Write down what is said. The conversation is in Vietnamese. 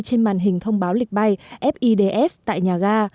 trên màn hình thông báo lịch bay fids tại nhà ga